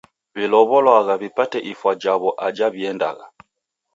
W'ilow'olwagha w'ipate ifwa jaw'o aja w'iendagha.